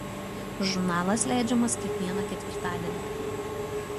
Žurnalas leidžiamas kiekvieną ketvirtadienį.